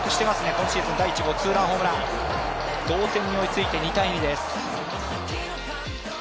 今シーズン第１号ツーランホームラン、同点に追いついて２−２です。